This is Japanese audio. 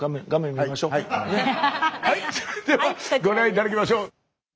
それではご覧頂きましょう。